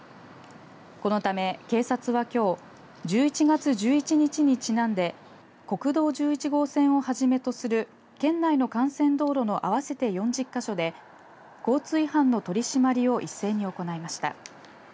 このため、警察はきょう１１月１１日にちなんで国道１１号線をはじめとする県内の幹線道路の合わせて４０か所で交通違反の取り締まりを一斉に行いました。